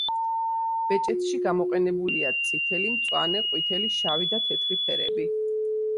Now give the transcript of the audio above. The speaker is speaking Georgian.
ბეჭედში გამოყენებულია წითელი, მწვანე, ყვითელი, შავი და თეთრი ფერები.